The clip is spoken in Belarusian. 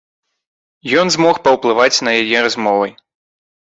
Ён змог паўплываць на яе размовай.